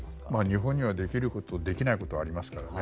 日本には、できることとできないことがありますからね。